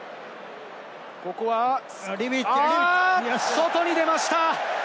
外に出ました！